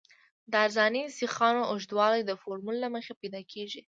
د عرضاني سیخانو اوږدوالی د فورمول له مخې پیدا کیږي